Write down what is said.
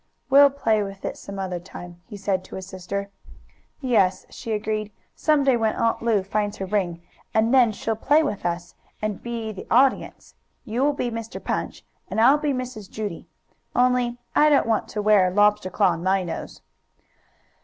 "We'll play with it some other time," he said to his sister. "Yes," she agreed. "Some day when Aunt Lu finds her ring, and then she'll play with us, and be the audience. You will be Mr. Punch, and I'll be Mrs. Judy. Only I don't want to wear a lobster claw on my nose."